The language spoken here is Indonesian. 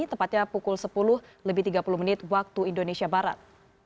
tepatnya pukul sepuluh lebih tiga puluh menit waktu indonesia barat